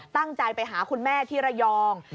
ตั้งใจไปหาคุณแม่ที่ระยอง